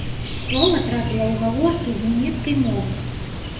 Слова трапіла ў гаворкі з нямецкай мовы.